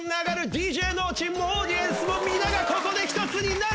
ＤＪＮＯ＋ＣＨＩＮもオーディエンスも皆がここで一つになる！